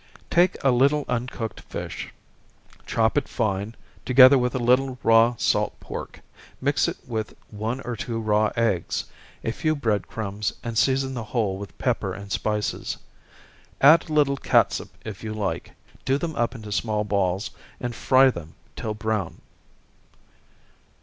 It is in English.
_ Take a little uncooked fish, chop it fine, together with a little raw salt pork, mix it with one or two raw eggs, a few bread crumbs, and season the whole with pepper and spices. Add a little catsup if you like do them up into small balls, and fry them till brown.